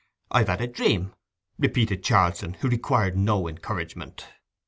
'I've had a dream,' repeated Charlson, who required no encouragement.